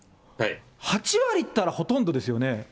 ８割っていったらほとんどですよね。